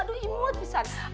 aduh imut pisah